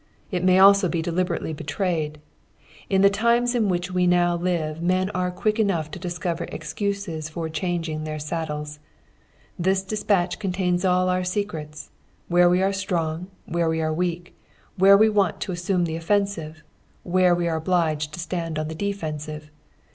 It may also be deliberately betrayed. In the times in which we now live men are quick enough to discover excuses for changing their saddles. This despatch contains all our secrets: where we are strong, where we are weak, where we want to assume the offensive, where we are obliged to stand on the defensive.